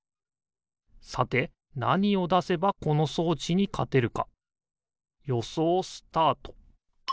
さてなにをだせばこのそうちにかてるかよそうスタート！